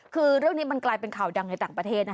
คือเรื่องนี้มันกลายเป็นข่าวดังในต่างประเทศนะคะ